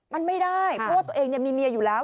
มันไม่ได้เพราะว่าตัวเองมีเมียอยู่แล้ว